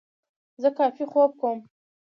زه کافي خوب کوم.